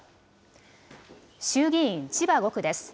衆議院千葉５区です。